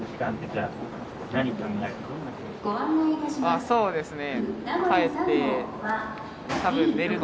あっそうですね